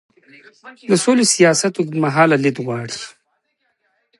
د سولې سیاست اوږدمهاله لید غواړي